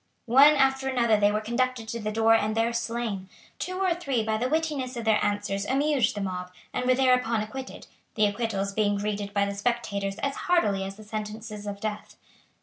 One after another they were conducted to the door and there slain. Two or three by the wittiness of their answers amused the mob and were thereupon acquitted, the acquittals being greeted by the spectators as heartily as the sentences of death.